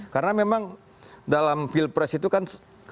karena memang dalam pilpres itu kan